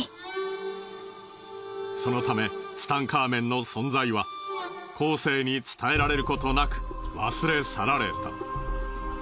そのためツタンカーメンの存在は後世に伝えられることなく忘れ去られた。